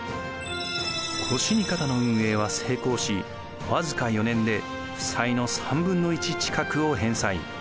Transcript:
越荷方の運営は成功し僅か４年で負債の３分の１近くを返済。